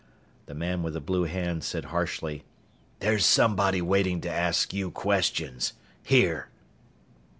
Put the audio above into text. The man with the blue hand said harshly, "There's somebody waiting to ask you questions. Here!"